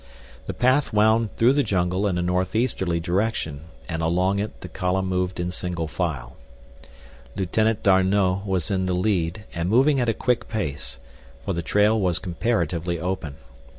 The path wound through the jungle in a northeasterly direction, and along it the column moved in single file. Lieutenant D'Arnot was in the lead and moving at a quick pace, for the trail was comparatively open.